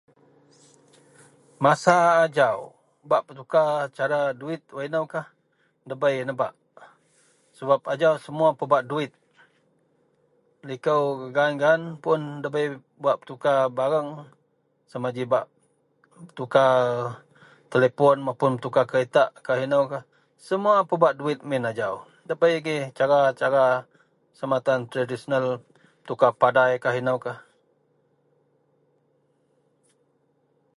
Masa ajau bak betukar cara duwit, wak inoukah ndabei nebak sebab ajau semua pebak duit. Likou gak gaan-gaan pun ndabei bak betukar bareng sama ji bak betukar telefon mapun betukar keritakkah inoukah semua pebak duwit min ajau. ndabei agei cara-cara sama ji tradisional petukar padaikah betukar inoukah.